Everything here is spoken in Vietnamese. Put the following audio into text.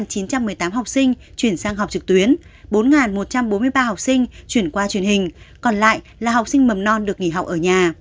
ba chín trăm một mươi tám học sinh chuyển sang học trực tuyến bốn một trăm bốn mươi ba học sinh chuyển qua truyền hình còn lại là học sinh mầm non được nghỉ học ở nhà